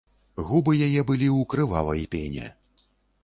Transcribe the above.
Губы яе былі ў крывавай пене.